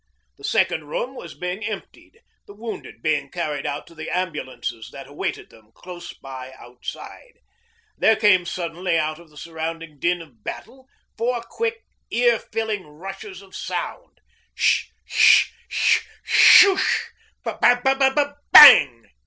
The second room was being emptied, the wounded being carried out to the ambulances that awaited them close by outside. There came suddenly out of the surrounding din of battle four quick car filling rushes of sound sh sh sh shoosh ba ba ba bang!